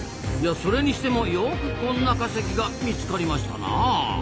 それにしてもよくこんな化石が見つかりましたなあ。